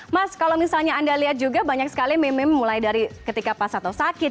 mas kalau misalnya anda lihat juga banyak sekali meme meme mulai dari ketika pak sato sakit